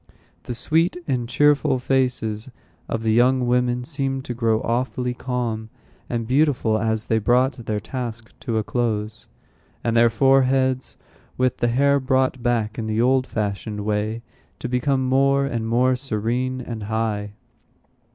The sweet and cheerful faces of the young women seemed to grow awfully calm and beautiful as they brought their task to a close, and their foreheads, with the hair brought back in the old fashioned way, to become more and more serene and high.